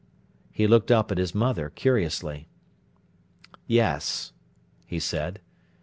He looked up at his mother curiously. "Yes," he said.